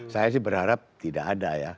saya sih berharap tidak ada ya